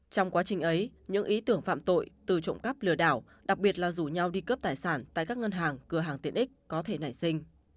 trong quá trình ấy những ý tưởng phạm tội từ trộm cắp lừa đảo đặc biệt là rủ nhau đi cướp tài sản tại các ngân hàng cửa hàng tiện ích có thể nảy sinh